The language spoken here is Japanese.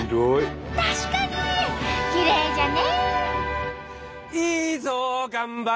確かにきれいじゃね！